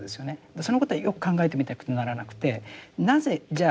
そのことはよく考えてみなければならなくてなぜじゃあ